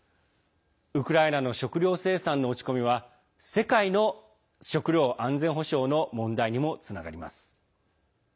ウクライナの食料生産の落ち込みは世界の食料安全保障の問題にもつながります。